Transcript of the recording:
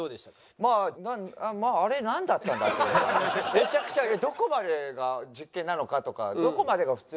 めちゃくちゃどこまでが実験なのかとかどこまでが普通。